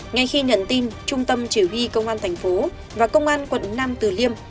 ngay khi nhận tin trung tâm chỉ huy công an tp và công an quận năm từ liêm